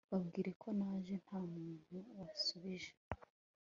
babwire ko naje, nta muntu wasubije